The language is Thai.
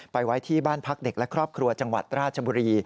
ไว้ที่บ้านพักเด็กและครอบครัวจังหวัดราชบุรี